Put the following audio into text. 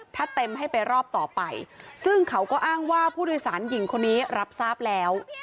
ถ้าเต็มให้ไปรอบต่อไปซึ่งเขาก็อ้างว่าผู้โดยสารหญิงคนนี้รับทราบแล้ว